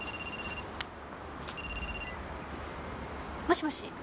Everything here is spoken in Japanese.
もしもし？